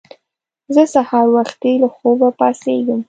زه سهار وختي له خوبه پاڅېږم